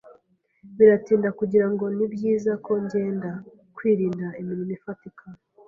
Biratinda kugirango nibyiza ko ngenda. (kwirinda imirimo ifatika)